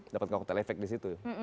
dapat kok telepek di situ